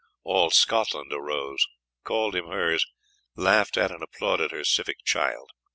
All Scotland arose, called him hers, laughed at and applauded her civic child.